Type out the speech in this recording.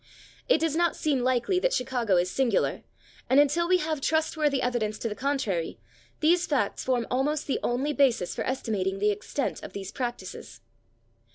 It does not seem likely that Chicago is singular, and until we have trustworthy evidence to the contrary, these facts form almost the only basis for estimating the extent of these practices.